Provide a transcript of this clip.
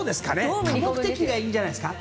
多目的がいいんじゃないですか。